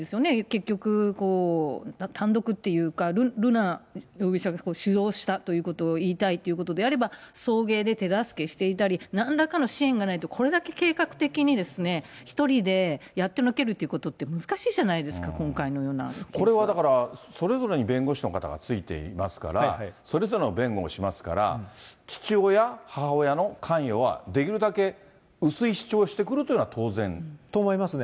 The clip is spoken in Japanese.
結局、単独っていうか、瑠奈容疑者が主導したということを言いたいということであれば、送迎で手助けしていたり、なんらかの支援がないと、これだけ計画的にですね、１人でやってのけることって難しいじゃないですか、今回のようなこれはだから、それぞれに弁護士の方がついていますから、それぞれの弁護もしますから、父親、母親の関与はできるだけ薄い主張をしてくるというのは当然。と思いますね。